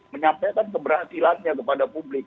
menyampaikan keberhasilannya kepada publik